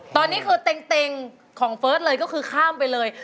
ตอนนี้คือเต็งของเฟิร์สเลยก็คือข้ามไปเลย